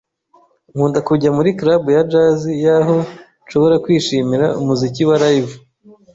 Nkunda kujya muri club ya jazz yaho nshobora kwishimira umuziki wa Live.